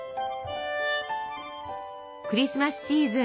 クリスマスシーズン